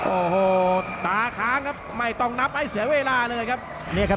โอ้โฮตาค้างครับไม่ต้องนับไอ้เสียเวลาเลยครับ